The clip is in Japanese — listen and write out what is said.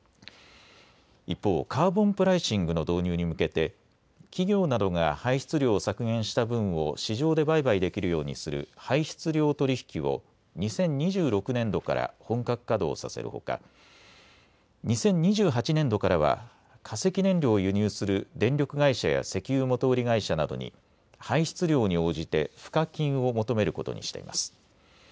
一方、カーボンプライシングの導入に向けて企業などが排出量を削減した分を市場で売買できるようにする排出量取引を２０２６年度から本格稼働させるほか２０２８年度からは化石燃料を輸入する電力会社や石油元売り会社などに排出量に応じて賦課金を求めることにしています。